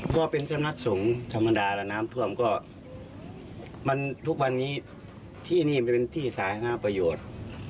ก็เป็นสำนักสงฆ์ธรรมดาแล้วน้ำท่วมก็มันทุกวันนี้ที่นี่มันเป็นที่สาธารณะประโยชน์